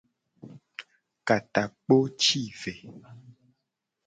Ka takpo ci ve.